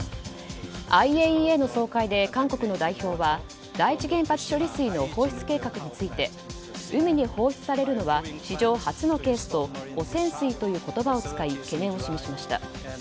ＩＡＥＡの総会で韓国の代表は第１原発処理水の放出計画について海に放出されるのは史上初のケースと汚染水という言葉を使い懸念を示しました。